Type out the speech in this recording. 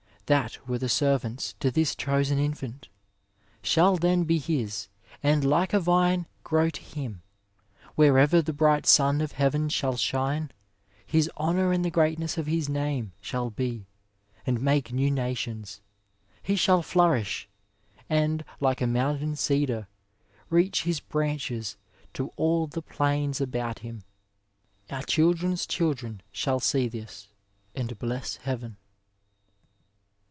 That were the servants to this diosen infant. Shall then be his, and like a vine grow to him : Wherever the bright sun of heaven shall shine. His honour and the greatness of his name Shall be, and make new nations: he shall flourish. And, like a mountain cedar, reach his branches To all the plains about him. Our children's childroi Shall see this, and bless heaven.